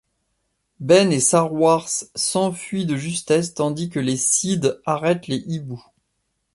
Ben et Saoirse s'enfuient de justesse tandis que les sidhes arrêtent les hiboux.